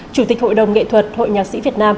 chủ tịch hội đồng nghệ thuật hội nhạc sĩ việt nam